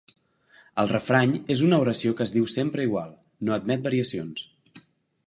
El refrany és una oració que es diu sempre igual, no admet variacions.